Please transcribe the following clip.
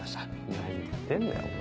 何言ってんだよお前。